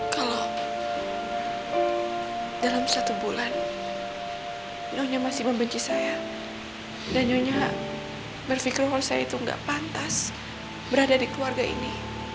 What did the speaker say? kalau dalam satu bulan nyonya masih membenci saya dan nyonya berpikir kalau saya itu nggak pantas berada di keluarga ini